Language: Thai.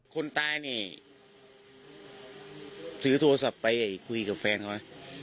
คนตายนี่ถือโทรศัพท์ไปคุยกับแฟนเขา